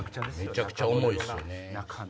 めちゃくちゃ重いっすよね。